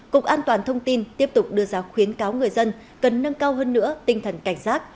cục an toàn thông tin tiếp tục đưa ra khuyến cáo người dân cần nâng cao hơn nữa tinh thần cảnh giác